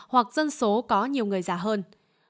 hoặc dân số có nhiều người già hơn